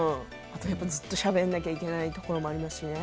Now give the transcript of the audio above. ずっとしゃべんなきゃいけないところもありますしね。